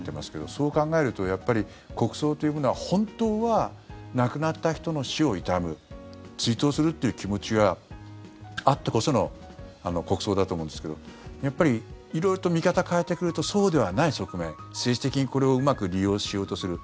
そう考えるとやはり国葬というのは本当は亡くなった人の死を悼む追悼するという気持ちがあってこその国葬だと思うんですけどやっぱり色々と見方変えてくるとそうではない側面政治的にこれをうまく利用しようとする。